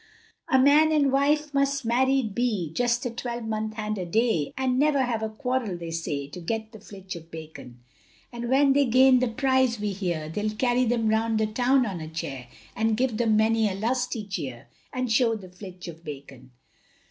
A man and wife must married be, Just a twelvemonth and a day. And never have a quarrel they say, To get the flitch of bacon; And when they gain the prize, we hear, They'll carry them round the town on a chair, And give them many a lusty cheer, And show the flitch of bacon.